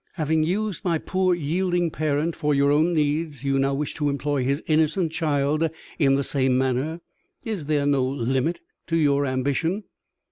"Having used my poor, yielding parent for your own needs, you now wish to employ his innocent child in the same manner. Is there no limit to your ambition?"